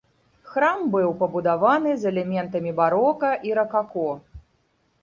Храм быў пабудаваны з элементамі барока і ракако.